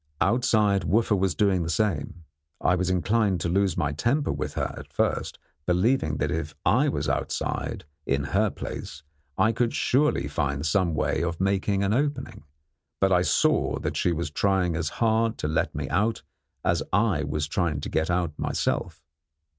Outside Wooffa was doing the same. I was inclined to lose my temper with her at first, believing that if I was outside in her place I could surely find some way of making an opening; but I saw that she was trying as hard to let me out as I was to get out myself.